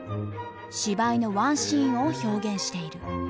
芝居のワンシーンを表現している。